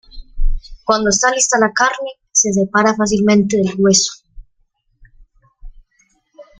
Cuando está lista la carne se separa fácilmente del hueso.